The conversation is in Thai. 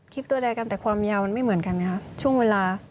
ตัวแรกกันแต่ความยาวมันไม่เหมือนกันนะครับช่วงเวลา